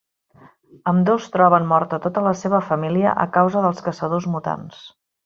Ambdós troben morta tota la seva família a causa dels caçadors mutants.